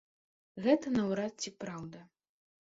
Гэта наўрад ці праўда.